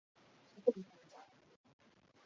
莱兹河畔莱扎人口变化图示